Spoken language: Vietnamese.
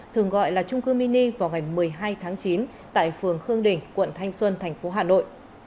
thường gọi là trung cư mini vào ngày một mươi hai tháng chín tại phường khương đình quận thanh xuân thành phố hà nội